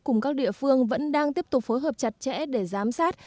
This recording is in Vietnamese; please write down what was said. cùng các địa phương vẫn đang tiếp tục phối hợp chặt chẽ để giám sát